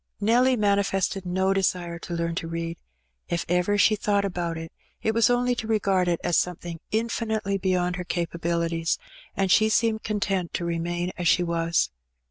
Nelly manifested no desire to learn to read. If ever she thought about it, it was only to regard it as something infinitely beyond her capabilities; and she seemed content to remain as she was.